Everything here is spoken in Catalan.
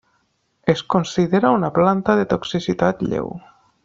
Es considera una planta de toxicitat lleu.